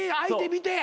見て。